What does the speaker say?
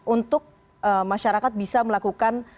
untuk masyarakat bisa melakukan